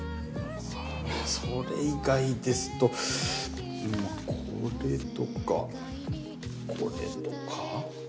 それ以外ですとまぁこれとかこれとか？